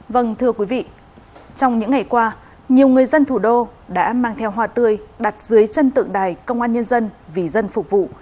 vâng thưa quý vị trong những ngày qua nhiều người dân thủ đô đã mang theo hoa tươi đặt dưới chân tượng đài công an nhân dân vì dân phục vụ